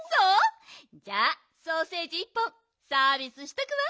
じゃあソーセージ１本サービスしとくわ。